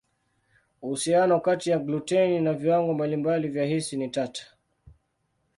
Uhusiano kati ya gluteni na viwango mbalimbali vya hisi ni tata.